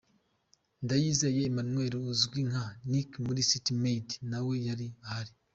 Ndayizeye Emmanuel uzwi nka Nick muri City Maid na we yari ahari.